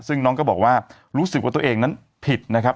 ซึ่งน้องก็บอกว่ารู้สึกว่าตัวเองนั้นผิดนะครับ